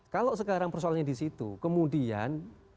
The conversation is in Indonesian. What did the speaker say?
kalau sekarang persoalannya disitu kemudian